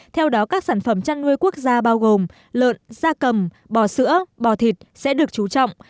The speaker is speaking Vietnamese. theo đó các sản phẩm chăn nuôi quốc gia bao gồm lợn da cầm bò sữa bò thịt sẽ được trú trọng